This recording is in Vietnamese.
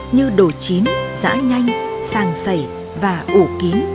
như đổ chín giã nhanh sàng sẩy và ủ kín